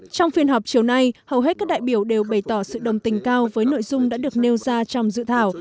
trong phiên họp chiều nay hầu hết các đại biểu đều bày tỏ sự đồng tình cao với nội dung đã được nêu ra trong dự thảo